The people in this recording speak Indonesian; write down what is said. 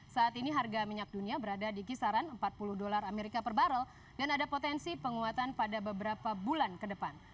saat ini harga minyak dunia berada di kisaran empat puluh dolar amerika per barrel dan ada potensi penguatan pada beberapa bulan ke depan